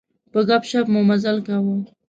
په ګپ شپ مو مزال کاوه.